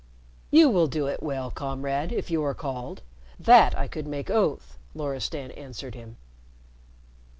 "You will do it well, Comrade, if you are called. That I could make oath," Loristan answered him.